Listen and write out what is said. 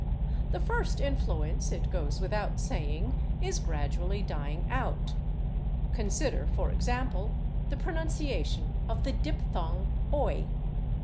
The first influence, it goes without saying, is gradually dying out. Consider, for example, the pronunciation of the diphthong /oi